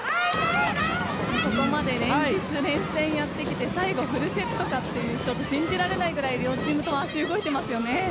ここまで連日熱戦をやってきて最後フルセットかという信じられないくらい両チームとも足動いてますよね。